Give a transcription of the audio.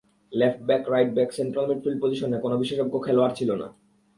Left back, right back, central midfield পজিশনে কোনো বিশেষজ্ঞ খেলোয়াড় ছিল না।